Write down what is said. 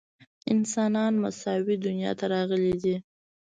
انسانان مساوي دنیا ته راغلي دي.